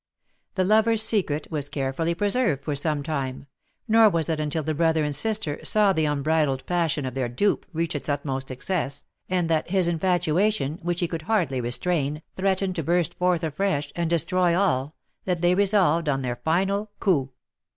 The lovers' secret was carefully preserved for some time; nor was it until the brother and sister saw the unbridled passion of their dupe reach its utmost excess, and that his infatuation, which he could hardly restrain, threatened to burst forth afresh, and destroy all, that they resolved on their final coup.